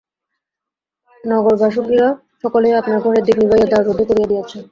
নগরবাসজ্ঞীরা সকলেই আপনার ঘরের দীপ নিবাইয়া দ্বার রুদ্ধ করিয়া দিয়াছে।